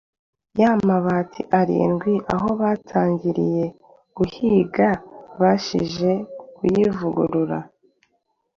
yamabati arindwi. Aho batangiriye guhiga, babashije kuyivugurura,